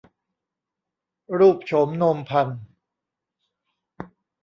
รูปโฉมโนมพรรณ